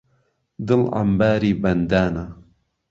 دڵ عەمباری بەندانە